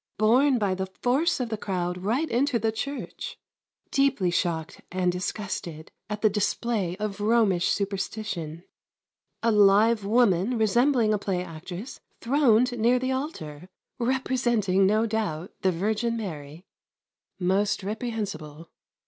Borne by the force of the crowd right into the church. Deeply shocked and disgusted at the display of Romish superstition. A live woman resembling a play actress throned near the altar, representing no doubt the Virgin Mary. Most reprehensible.